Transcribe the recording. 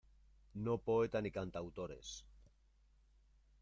no poeta ni cantautores.